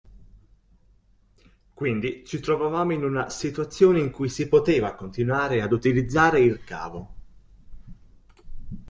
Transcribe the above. Quindi ci trovavamo in una situazione in cui si poteva continuare ad utilizzare il cavo.